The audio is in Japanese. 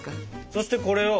そしてこれを。